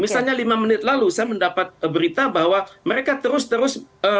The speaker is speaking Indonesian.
misalnya lima menit lalu saya mendapat berita bahwa mereka terus terus